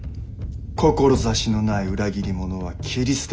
志のない裏切り者は斬り捨てねば。